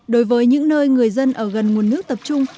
đối với những nơi người dân ở gần nguồn nước tập trung